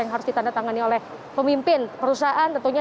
yang harus ditanda tangani oleh pemimpin perusahaan tentunya